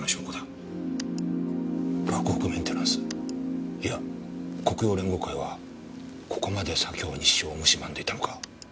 洛北メンテナンスいや黒洋連合会はここまで左京西署を蝕んでいたのか。